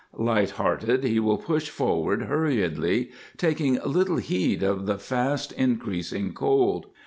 Light hearted he will push forward hurriedly, taking little heed of the fast increasing cold.